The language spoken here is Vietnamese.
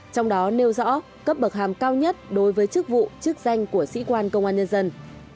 trong đó nêu rõ cấp bậc hàm cao nhất đối với chức vụ chức danh của sĩ quan công an nhân dân